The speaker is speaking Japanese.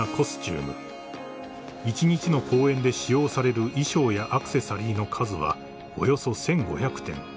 ［一日の公演で使用される衣装やアクセサリーの数はおよそ１，５００点］